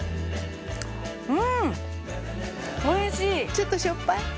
ちょっとしょっぱい？